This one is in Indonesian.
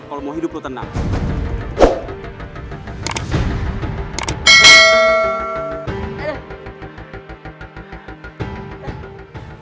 kalau mau hidup lo tenang